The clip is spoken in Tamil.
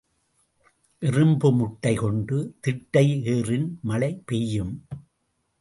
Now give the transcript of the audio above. எறும்பு முட்டை கொண்டு திட்டை ஏறின் மழை பெய்யும்.